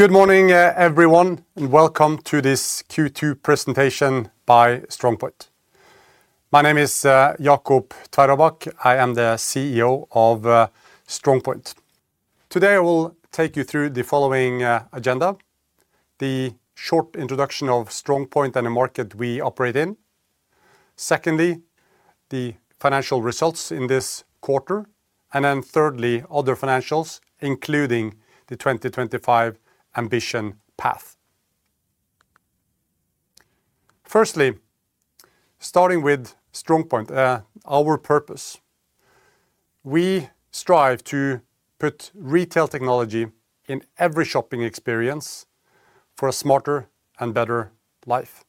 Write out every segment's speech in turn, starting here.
Good morning, everyone, and welcome to this Q2 presentation by StrongPoint. My name is Jacob Tveraabak. I am the CEO of StrongPoint. Today, I will take you through the following agenda: the short introduction of StrongPoint and the market we operate in. Secondly, the financial results in this quarter, and then thirdly, other financials, including the 2025 ambition path. Firstly, starting with StrongPoint, our purpose. We strive to put retail technology in every shopping experience for a smarter and better life.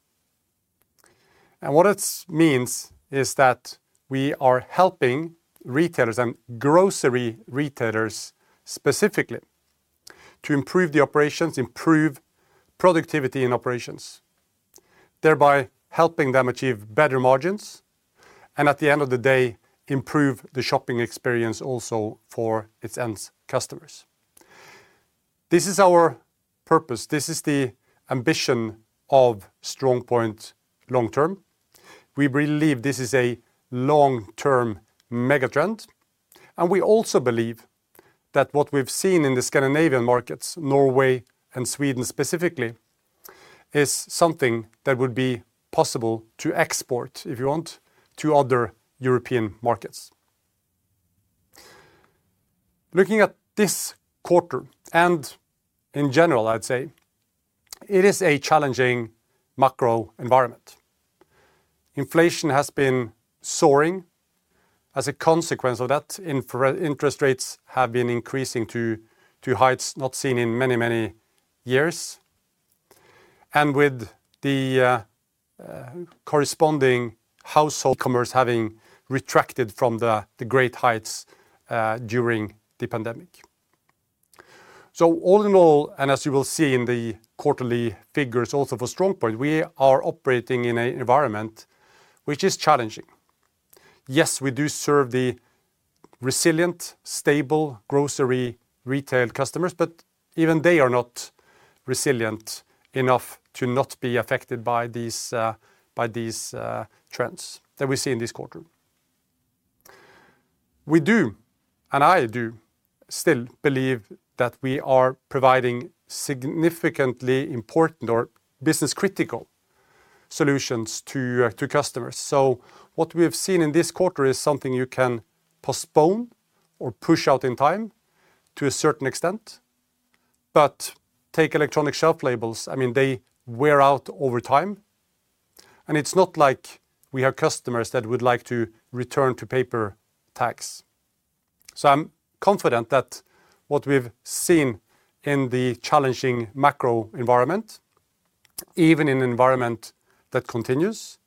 And what it means is that we are helping retailers and grocery retailers, specifically, to improve the operations, improve productivity in operations, thereby helping them achieve better margins, and at the end of the day, improve the shopping experience also for its end customers. This is our purpose. This is the ambition of StrongPoint long term. We believe this is a long-term mega trend. We also believe that what we've seen in the Scandinavian markets, Norway and Sweden specifically, is something that would be possible to export, if you want, to other European markets. Looking at this quarter, and in general, I'd say, it is a challenging macro environment. Inflation has been soaring. As a consequence of that, interest rates have been increasing to heights not seen in many, many years, and with the corresponding household commerce having retracted from the great heights during the pandemic. All in all, and as you will see in the quarterly figures, also for StrongPoint, we are operating in an environment which is challenging. We do serve the resilient, stable grocery retail customers, but even they are not resilient enough to not be affected by these trends that we see in this quarter. We do, and I do still believe that we are providing significantly important or business-critical solutions to customers. What we have seen in this quarter is something you can postpone or push out in time to a certain extent, but take electronic shelf labels. I mean, they wear out over time, and it's not like we have customers that would like to return to paper tags. I'm confident that what we've seen in the challenging macro environment, even in an environment that continues,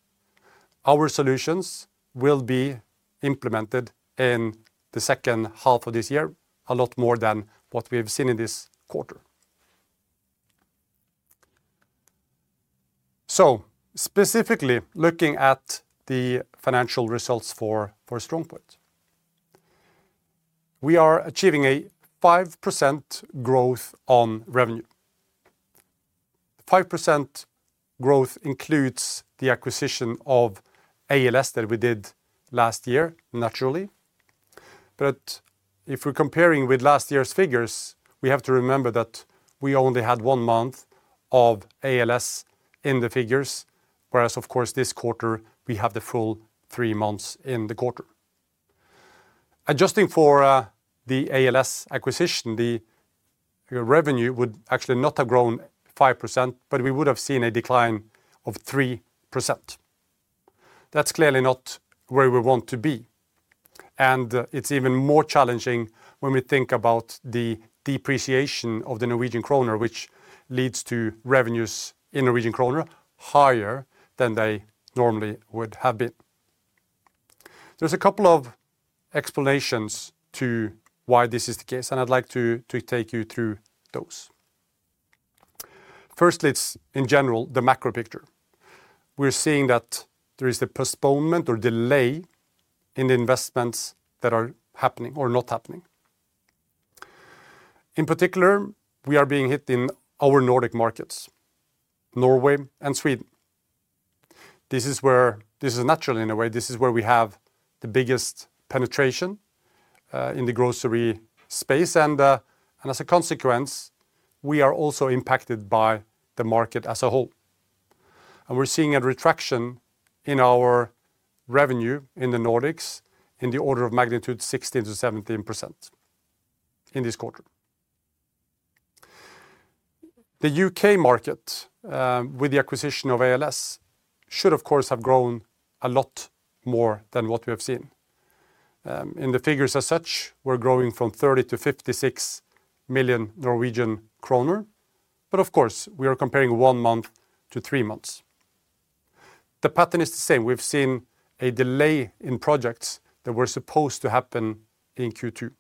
our solutions will be implemented in the H2 of this year, a lot more than what we have seen in this quarter. Specifically, looking at the financial results for StrongPoint, we are achieving a 5% growth on revenue. 5% growth includes the acquisition of ALS that we did last year, naturally. If we're comparing with last year's figures, we have to remember that we only had one month of ALS in the figures, whereas, of course, this quarter, we have the full three months in the quarter. Adjusting for the ALS acquisition, the revenue would actually not have grown 5%, but we would have seen a decline of 3%. That's clearly not where we want to be, and it's even more challenging when we think about the depreciation of the Norwegian kroner, which leads to revenues in Norwegian kroner, higher than they normally would have been. There's a couple of explanations to why this is the case. I'd like to take you through those. Firstly, it's in general, the macro picture. We're seeing that there is a postponement or delay in the investments that are happening or not happening. In particular, we are being hit in our Nordic markets, Norway and Sweden. This is where. This is natural in a way. This is where we have the biggest penetration in the grocery space, and as a consequence, we are also impacted by the market as a whole. We're seeing a retraction in our revenue in the Nordics, in the order of magnitude, 16%-17% in this quarter. The U.K. market, with the acquisition of ALS, should, of course, have grown a lot more than what we have seen. In the figures as such, we're growing from 30 million to 56 million Norwegian kroner, we are comparing 1 month to 3 months. The pattern is the same. We've seen a delay in projects that were supposed to happen in Q2.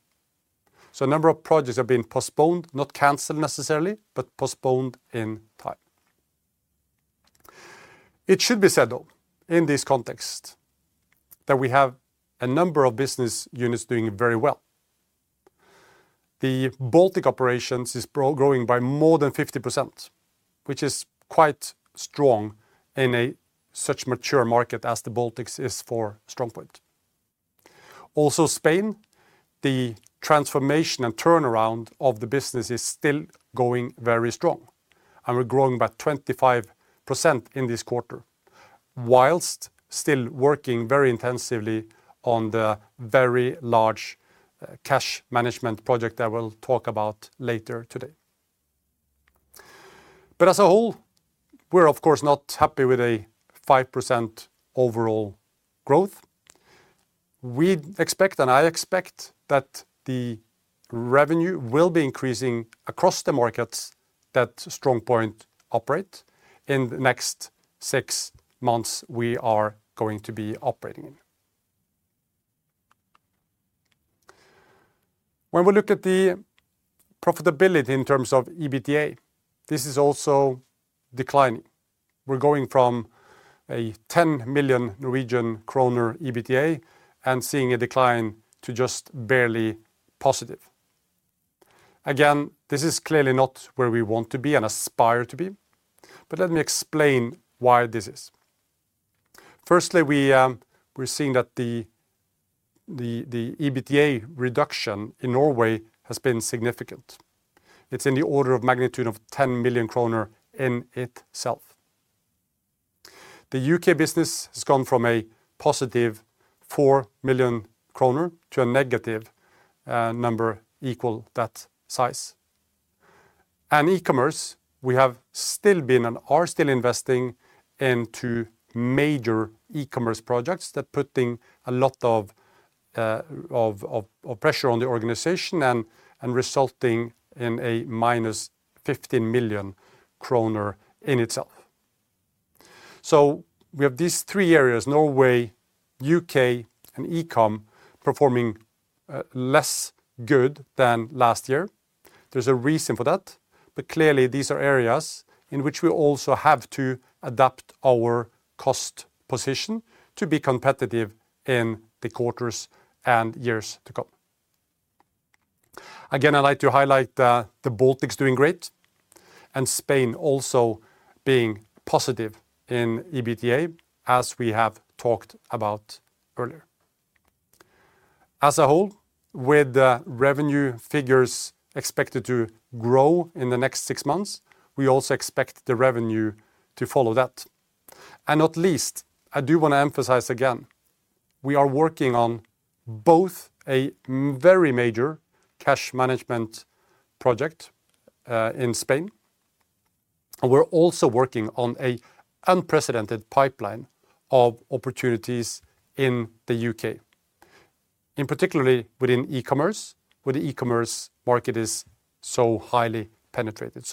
A number of projects have been postponed, not canceled, necessarily, but postponed in time. It should be said, though, in this context, that we have a number of business units doing very well. The Baltic operations is growing by more than 50%, which is quite strong in a such mature market as the Baltics is for StrongPoint. Spain, the transformation and turnaround of the business is still going very strong, and we're growing by 25% in this quarter, whilst still working very intensively on the very large cash management project I will talk about later today. As a whole, we're of course not happy with a 5% overall growth. We expect, and I expect, that the revenue will be increasing across the markets that StrongPoint operate in the next 6 months we are going to be operating in. When we look at the profitability in terms of EBITDA, this is also declining. We're going from a 10 million Norwegian kroner EBITDA and seeing a decline to just barely positive. Again, this is clearly not where we want to be and aspire to be, but let me explain why this is. Firstly, we're seeing that the EBITDA reduction in Norway has been significant. It's in the order of magnitude of 10 million kroner in itself. The UK business has gone from a positive 4 million kroner to a negative number equal that size. E-commerce, we have still been and are still investing into major e-commerce projects that putting a lot of pressure on the organisation and resulting in a minus 50 million kroner in itself. We have these three areas, Norway, UK, and e-com, performing less good than last year. There's a reason for that, but clearly these are areas in which we also have to adapt our cost position to be competitive in the quarters and years to come. I'd like to highlight that the Baltics doing great, and Spain also being positive in EBITDA, as we have talked about earlier. As a whole, with the revenue figures expected to grow in the next six months, we also expect the revenue to follow that. Not least, I do want to emphasise again, we are working on both a very major cash management project in Spain, and we're also working on an unprecedented pipeline of opportunities in the U.K., in particular within e-commerce, where the e-commerce market is so highly penetrated.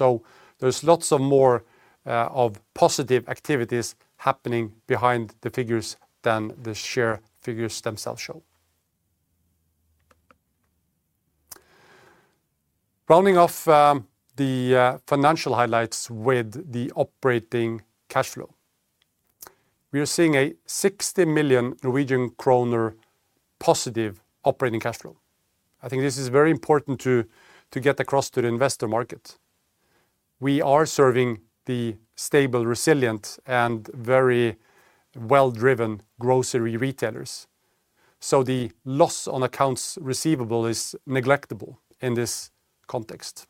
There's lots of more of positive activities happening behind the figures than the share figures themselves show. Rounding off the financial highlights with the operating cash flow. We are seeing a 60 million Norwegian kroner positive operating cash flow. I think this is very important to get across to the investor market. We are serving the stable, resilient, and very well-driven grocery retailers, the loss on accounts receivable is negligible in this context.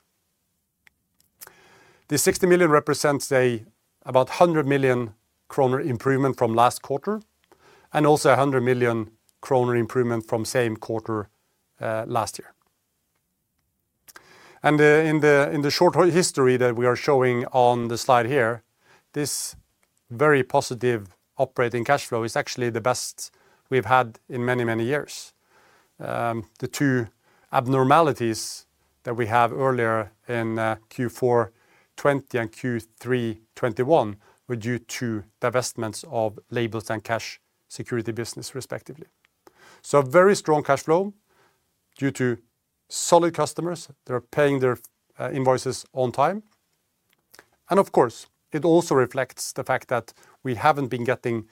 The 60 million represents about 100 million kroner improvement from last quarter, also 100 million kroner improvement from same quarter last year. In the short history that we are showing on the slide here, this very positive operating cash flow is actually the best we've had in many, many years. The two abnormalities that we have earlier in Q4 2020 and Q3 2021, were due to divestments of labels and cash security business, respectively. A very strong cash flow due to solid customers that are paying their invoices on time. Of course, it also reflects the fact that we haven't been getting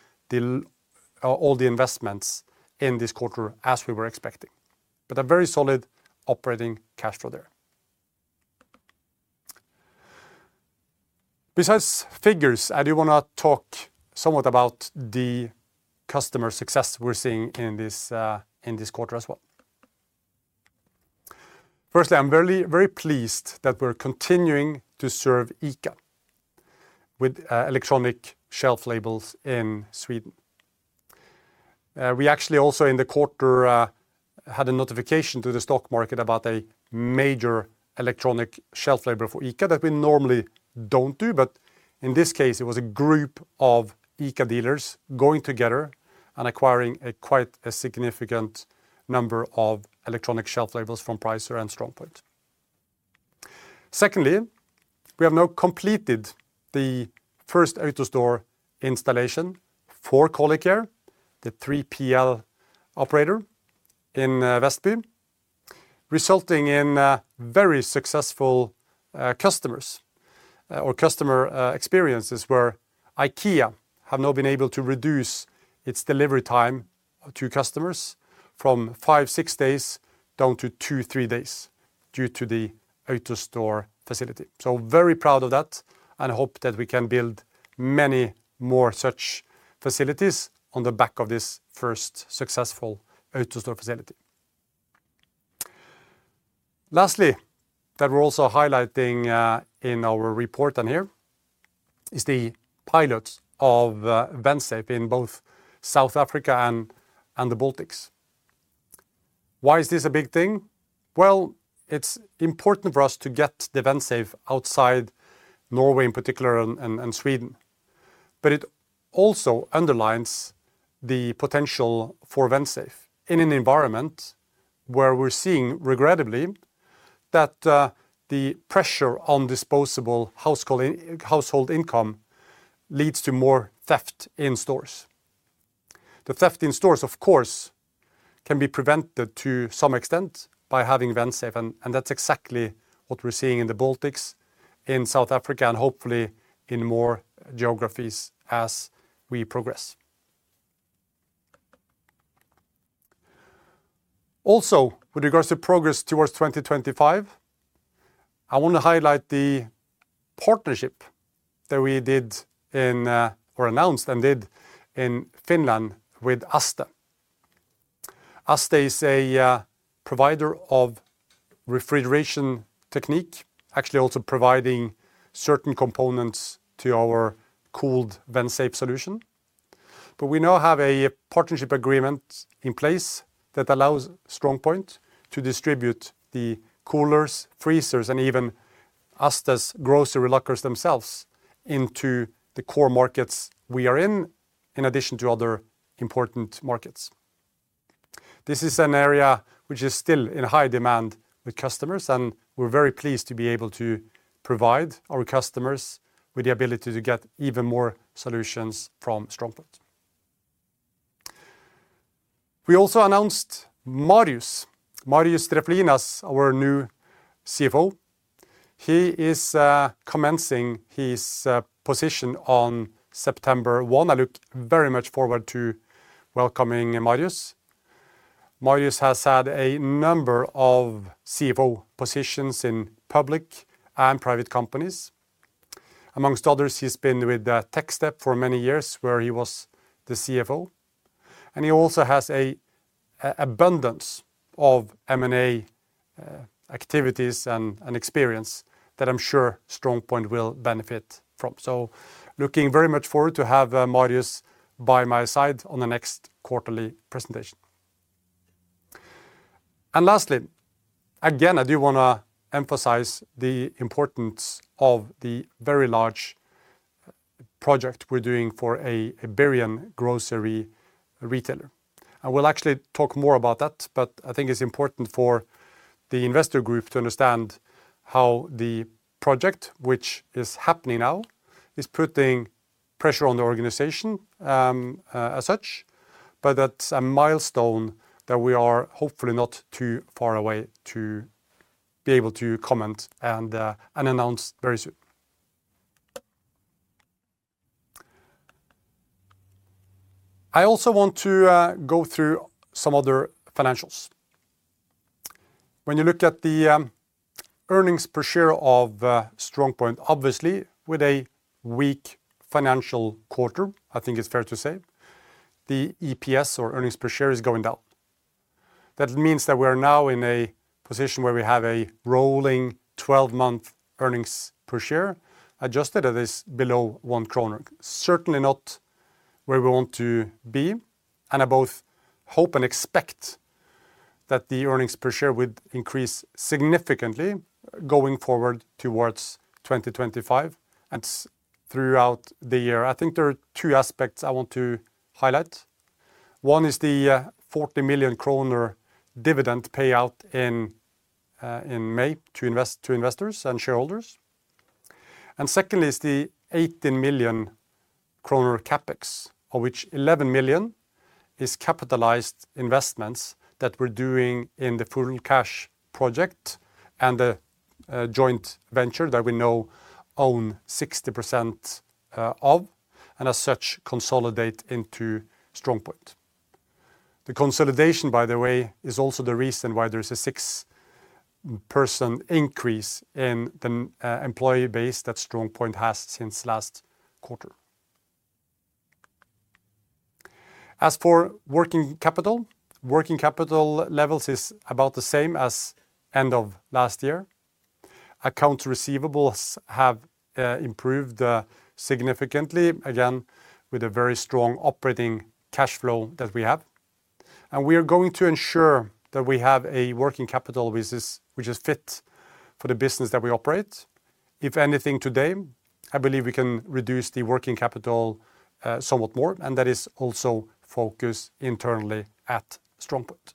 all the investments in this quarter as we were expecting. A very solid operating cash flow there. Besides figures, I do want to talk somewhat about the customer success we're seeing in this, in this quarter as well. Firstly, I'm very, very pleased that we're continuing to serve ICA with electronic shelf labels in Sweden. We actually also in the quarter had a notification to the stock market about a major electronic shelf label for ICA that we normally don't do, but in this case, it was a group of ICA dealers going together and acquiring a quite a significant number of electronic shelf labels from Pricer and StrongPoint. Secondly, we have now completed the first AutoStore installation for ColliCare, the 3PL operator in Vestby. Resulting in, very successful, customers, or customer, experiences where IKEA have now been able to reduce its delivery time to customers from 5 to 6 days, down to 2 to 3 days due to the AutoStore facility. Very proud of that, and hope that we can build many more such facilities on the back of this first successful AutoStore facility. Lastly, that we're also highlighting, in our report on here, is the pilots of VenSafe in both South Africa and the Baltics. Why is this a big thing? Well, it's important for us to get the VenSafe outside Norway, in particular, and Sweden. It also underlines the potential for VenSafe in an environment where we're seeing, regrettably, that, the pressure on disposable household income leads to more theft in stores. The theft in stores, of course, can be prevented to some extent by having Vensafe, and that's exactly what we're seeing in the Baltics, in South Africa, and hopefully in more geographies as we progress. With regards to progress towards 2025, I want to highlight the partnership that we did in or announced and did in Finland with Asta. Asta is a provider of refrigeration technique, actually also providing certain components to our cooled Vensafe solution. We now have a partnership agreement in place that allows StrongPoint to distribute the coolers, freezers, and even Asta's grocery lockers themselves into the core markets we are in addition to other important markets. This is an area which is still in high demand with customers, and we're very pleased to be able to provide our customers with the ability to get even more solutions from StrongPoint. We also announced Marius Drefvelin as our new CFO. He is commencing his position on September 1. I look very much forward to welcoming Marius. Marius has had a number of CFO positions in public and private companies. Among others, he's been with Techstep for many years, where he was the CFO, and he also has a abundance of M&A activities and experience that I'm sure StrongPoint will benefit from. Looking very much forward to have Marius by my side on the next quarterly presentation. Lastly, again, I do want to emphasize the importance of the very large project we're doing for a Iberian grocery retailer. I will actually talk more about that. I think it's important for the investor group to understand how the project, which is happening now, is putting pressure on the organisation, as such. That's a milestone that we are hopefully not too far away to be able to comment and announce very soon. I also want to go through some other financials. When you look at the earnings per share of StrongPoint, obviously with a weak financial quarter, I think it's fair to say, the EPS, or earnings per share, is going down. That means that we are now in a position where we have a rolling 12-month earnings per share, adjusted, that is below 1 kroner. Certainly not where we want to be, and I both hope and expect that the earnings per share will increase significantly going forward towards 2025 throughout the year. I think there are two aspects I want to highlight. One is the 40 million kroner dividend payout in May to investors and shareholders. Secondly, is the 18 million kroner CapEx, of which 11 million is capitalised investments that we're doing in the Furul Cash project and the joint venture that we now own 60% of, and as such, consolidate into StrongPoint. The consolidation, by the way, is also the reason why there is a six-person increase in the employee base that StrongPoint has since last quarter. As for working capital, working capital levels is about the same as end of last year. Accounts receivables have improved significantly, again, with a very strong operating cash flow that we have. We are going to ensure that we have a working capital business which is fit for the business that we operate. If anything, today, I believe we can reduce the working capital somewhat more, and that is also focused internally at StrongPoint.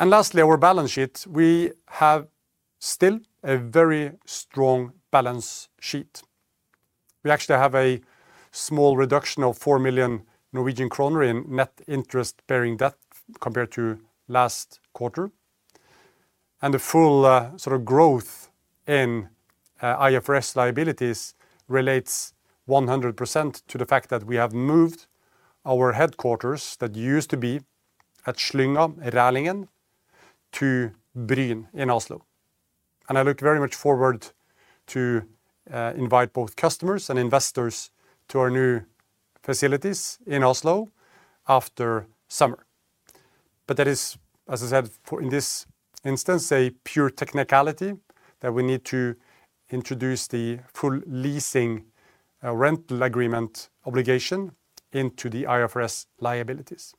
Lastly, our balance sheet. We have still a very strong balance sheet. We actually have a small reduction of 4 million Norwegian kroner in net interest-bearing debt compared to last quarter, and the full sort of growth in IFRS liabilities relates 100% to the fact that we have moved our headquarters that used to be at Slynga, Rælingen, to Bryn in Oslo. I look very much forward to invite both customers and investors to our new facilities in Oslo after summer. That is, as I said, for in this instance, a pure technicality that we need to introduce the full leasing rental agreement obligation into the IFRS liabilities.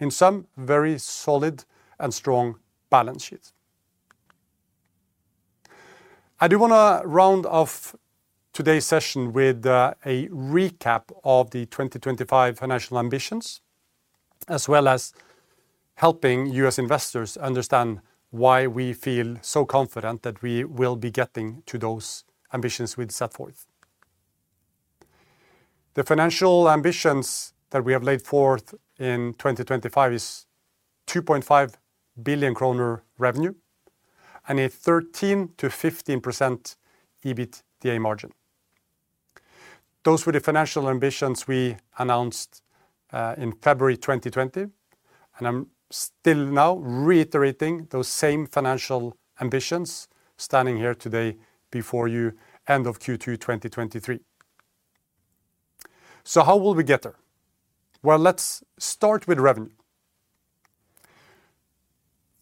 In sum, very solid and strong balance sheet. I do want to round off today's session with a recap of the 2025 financial ambitions, as well as helping you as investors understand why we feel so confident that we will be getting to those ambitions we've set forth. The financial ambitions that we have laid forth in 2025 is 2.5 billion kroner revenue and a 13% to 15% EBITDA margin. Those were the financial ambitions we announced in February 2020, and I'm still now reiterating those same financial ambitions, standing here today before you, end of Q2 2023. How will we get there? Well, let's start with revenue.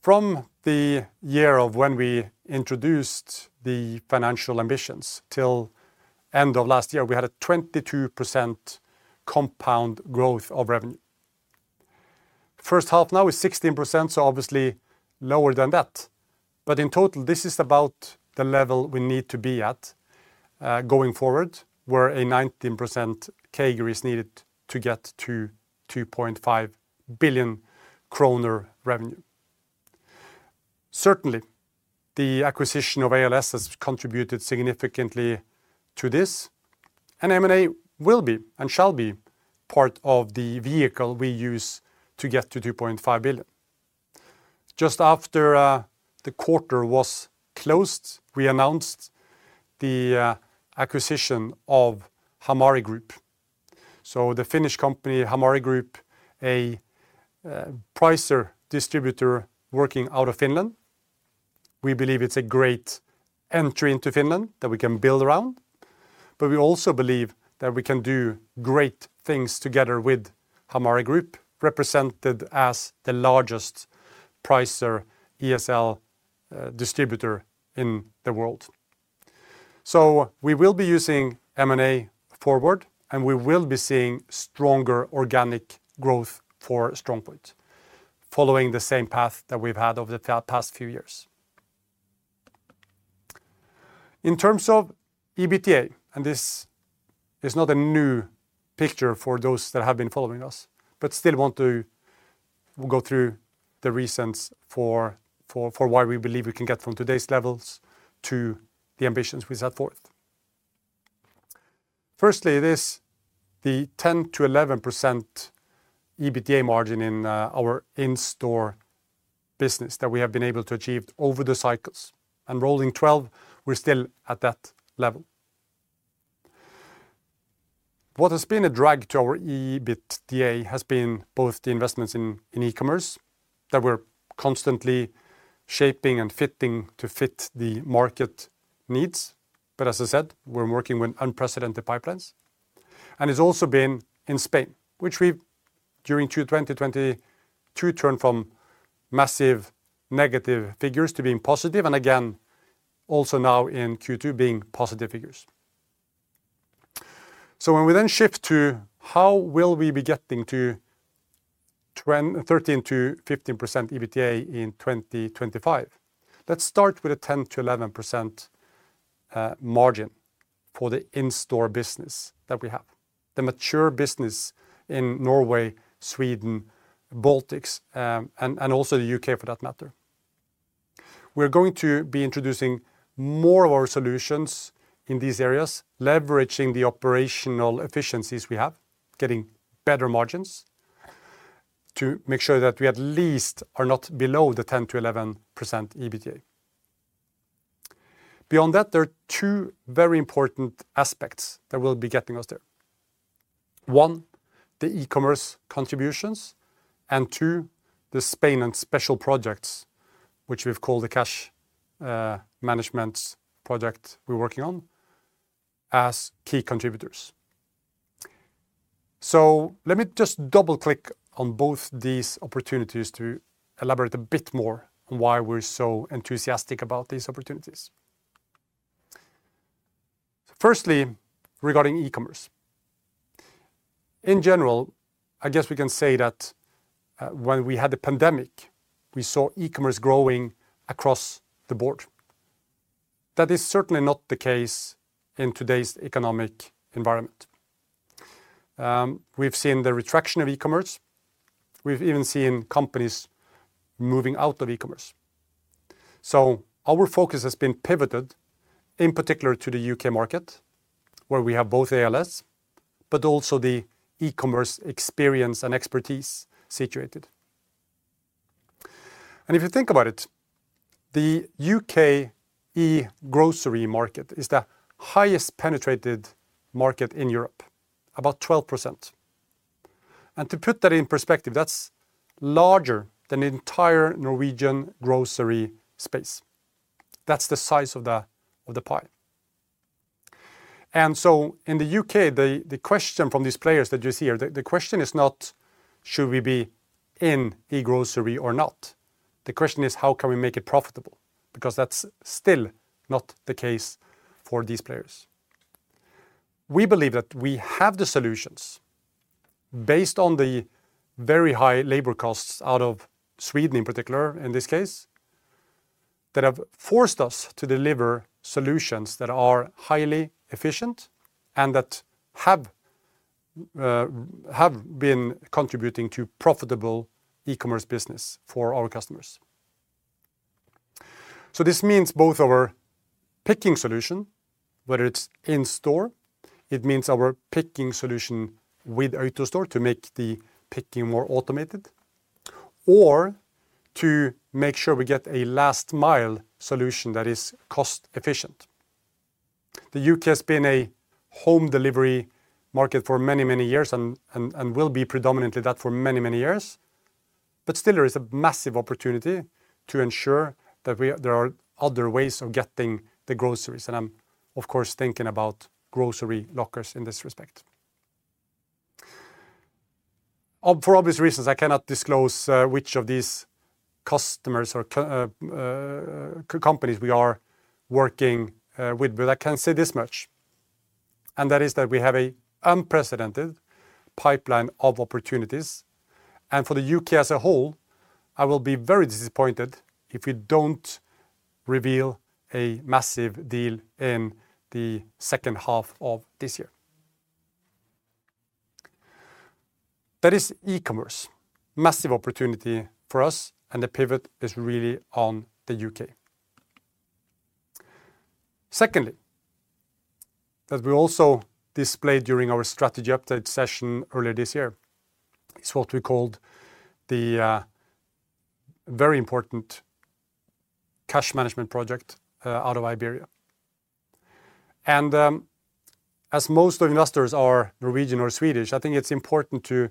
From the year of when we introduced the financial ambitions till end of last year, we had a 22% compound growth of revenue. H1 now is 16%, so obviously lower than that, but in total, this is about the level we need to be at going forward, where a 19% CAGR is needed to get to 2.5 billion kroner revenue. Certainly, the acquisition of ALS has contributed significantly to this, and M&A will be, and shall be, part of the vehicle we use to get to 2.5 billion. Just after the quarter was closed, we announced the acquisition of Hamari Group. The Finnish company, Hamari Group, a Pricer distributor working out of Finland. We believe it's a great entry into Finland that we can build around. We also believe that we can do great things together with Hamari Group, represented as the largest Pricer ESL distributor in the world. We will be using M&A forward, and we will be seeing stronger organic growth for StrongPoint, following the same path that we've had over the past few years. In terms of EBITDA, this is not a new picture for those that have been following us, but still want to go through the reasons for why we believe we can get from today's levels to the ambitions we set forth. Firstly, it is the 10% to 11% EBITDA margin in our in-store business that we have been able to achieve over the cycles, and rolling 12, we're still at that level. What has been a drag to our EBITDA has been both the investments in e-commerce that we're constantly shaping and fitting to fit the market needs. As I said, we're working with unprecedented pipelines. It's also been in Spain, which we've, during Q2 2022, turned from massive negative figures to being positive, and again, also now in Q2, being positive figures. When we then shift to how will we be getting to 13% to 15% EBITDA in 2025, let's start with a 10% to 11% margin for the in-store business that we have, the mature business in Norway, Sweden, Baltics, and also the UK, for that matter. We're going to be introducing more of our solutions in these areas, leveraging the operational efficiencies we have, getting better margins to make sure that we at least are not below the 10% to 11% EBITDA. Beyond that, there are two very important aspects that will be getting us there. One, the e-commerce contributions, and two, the Spain and special projects, which we've called the cash management project we're working on, as key contributors. Let me just double-click on both these opportunities to elaborate a bit more on why we're so enthusiastic about these opportunities. Firstly, regarding e-commerce. In general, I guess we can say that when we had the pandemic, we saw e-commerce growing across the board. That is certainly not the case in today's economic environment. We've seen the retraction of e-commerce. We've even seen companies moving out of e-commerce. Our focus has been pivoted, in particular, to the U.K. market, where we have both ALS, but also the e-commerce experience and expertise situated. If you think about it, the U.K. e-grocery market is the highest penetrated market in Europe, about 12%. To put that in perspective, that's larger than the entire Norwegian grocery space. That's the size of the, of the pie. In the U.K., the question from these players that you see here, the question is not should we be in e-grocery or not? The question is: how can we make it profitable? Because that's still not the case for these players. We believe that we have the solutions based on the very high labor costs out of Sweden, in particular, in this case, that have forced us to deliver solutions that are highly efficient and that have been contributing to profitable e-commerce business for our customers. This means both our picking solution, whether it's in store, it means our picking solution with AutoStore to make the picking more automated, or to make sure we get a last-mile solution that is cost-efficient. The U.K. has been a home delivery market for many, many years and will be predominantly that for many, many years. Still there is a massive opportunity to ensure that there are other ways of getting the groceries, and I'm of course, thinking about grocery lockers in this respect. For obvious reasons, I cannot disclose which of these customers or companies we are working with, but I can say this much, and that is that we have a unprecedented pipeline of opportunities. For the U.K. as a whole, I will be very disappointed if we don't reveal a massive deal in the H2 of this year. That is e-commerce. Massive opportunity for us, and the pivot is really on the U.K. Secondly, that we also displayed during our strategy update session earlier this year, is what we called the very important cash management project out of Iberia. As most of the investors are Norwegian or Swedish, I think it's important to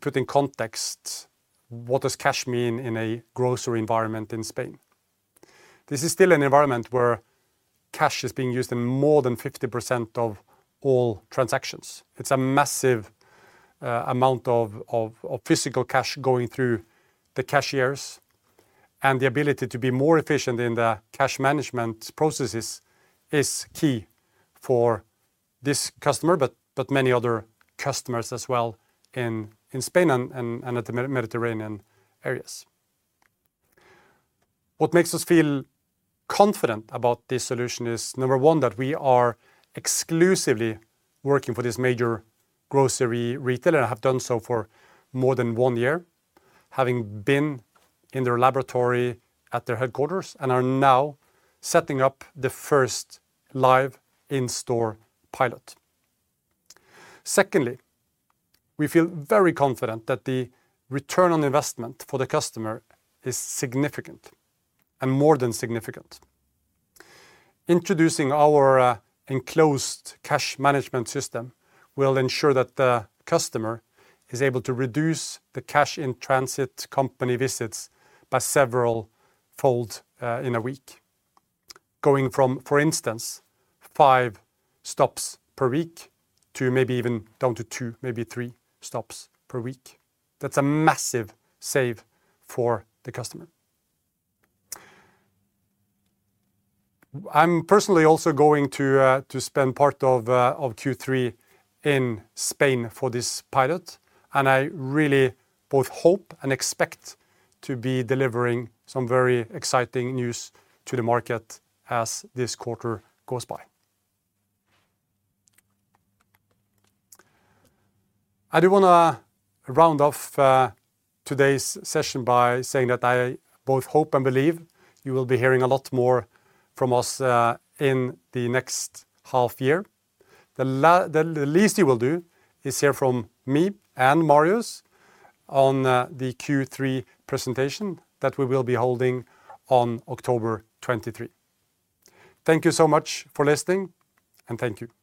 put in context, what does cash mean in a grocery environment in Spain? This is still an environment where cash is being used in more than 50% of all transactions. It's a massive amount of physical cash going through the cashiers. The ability to be more efficient in the cash management processes is key for this customer, but many other customers as well in Spain and at the Mediterranean areas. What makes us feel confident about this solution is, number one, that we are exclusively working for this major grocery retailer and have done so for more than 1 year, having been in their laboratory at their headquarters and are now setting up the first live in-store pilot. Secondly, we feel very confident that the ROI for the customer is significant, and more than significant. Introducing our enclosed cash management system will ensure that the customer is able to reduce the cash-in-transit company visits by several fold in a week. Going from, for instance, five stops per week to maybe even down to two, maybe three stops per week. That's a massive save for the customer. I'm personally also going to spend part of Q3 in Spain for this pilot, and I really both hope and expect to be delivering some very exciting news to the market as this quarter goes by. I do want to round off today's session by saying that I both hope and believe you will be hearing a lot more from us in the next half year. The least you will do is hear from me and Marius on the Q3 presentation that we will be holding on October 23. Thank you so much for listening. Thank you.